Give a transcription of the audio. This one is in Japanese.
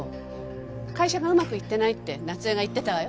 会社がうまくいってないって夏江が言ってたわよ。